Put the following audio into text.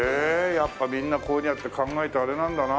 やっぱみんなこういうふうにやって考えてあれなんだな。